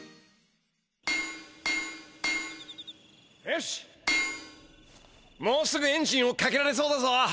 よしもうすぐエンジンをかけられそうだぞ。